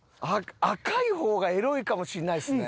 赤い方がエロいかもしれないですね。